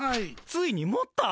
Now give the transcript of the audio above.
ついに持った！